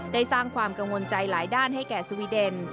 ได้สร้างความกังวลใจหลายด้านให้แก่สวีเดน